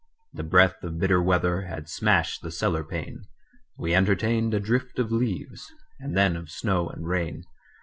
The breath of bitter weather Had smashed the cellar pane: We entertained a drift of leaves And then of snow and rain.